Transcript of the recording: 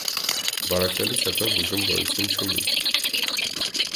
Վարակվելուց հետո բուժում գոյություն չունի։